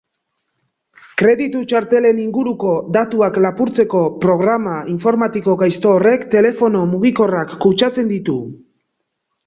Kreditu txartelen inguruko datuak lapurtzeko programa informatiko gaizto horrek telefono mugikorrak kutsatzen ditu.